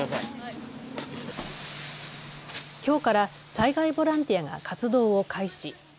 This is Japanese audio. きょうから災害ボランティアが活動を開始。